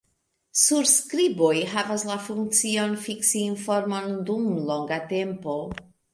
Surskriboj havas la funkcion, fiksi informon dum longa tempo.